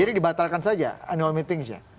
jadi dibatalkan saja annual meeting ya